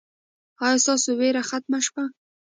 ایا ستاسو ویره ختمه شوه؟